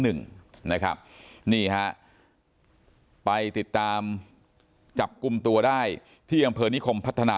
นี่นะครับนี่ฮะไปติดตามจับกลุ่มตัวได้ที่อำเภอนิคมพัฒนา